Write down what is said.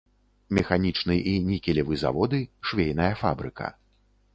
Механічны і нікелевы заводы, швейная фабрыка.